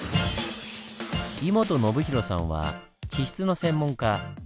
井本伸廣さんは地質の専門家。